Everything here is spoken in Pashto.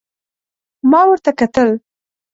ما ورته کتل ،